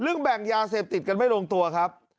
แบ่งยาเสพติดกันไม่ลงตัวครับ